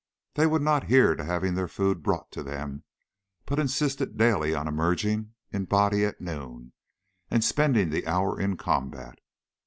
They would not hear to having their food brought to them, but insisted daily on emerging in a body at noon and spending the hour in combat.